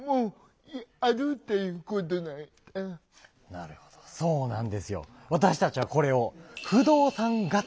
なるほどそうなんですよ。